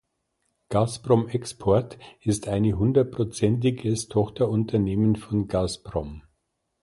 Gazprom Export ist eine hundertprozentiges Tochterunternehmen von Gazprom.